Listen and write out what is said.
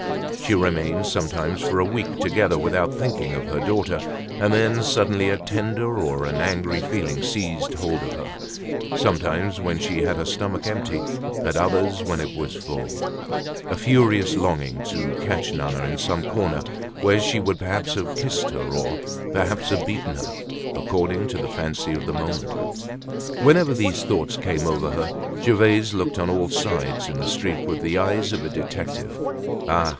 She remained sometimes for a week together without thinking of her daughter, and then suddenly a tender or an angry feeling seized hold of her, sometimes when she had her stomach empty, at others when it was full, a furious longing to catch Nana in some corner, where she would perhaps have kissed her or perhaps have beaten her, according to the fancy of the moment. Whenever these thoughts came over her, Gervaise looked on all sides in the streets with the eyes of a detective. Ah!